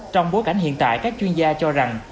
trong bối cảnh hiện tại các chuyên gia cho rằng